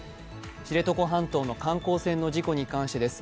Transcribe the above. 知床半島の観光船の事故に関してです。